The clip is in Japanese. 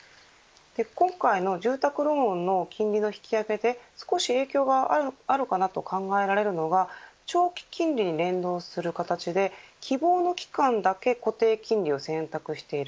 今回の住宅ローンの金利の引き上げて少し影響があるかなと考えられるのが長期金利に連動する形で希望の期間だけ固定金利を選択している